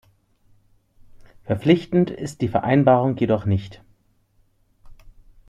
Verpflichtend ist die Vereinbarung jedoch nicht.